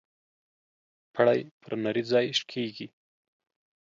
پړى پر نري ځاى شکېږي.